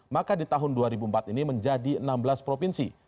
maka di tahun dua ribu empat ini menjadi enam belas provinsi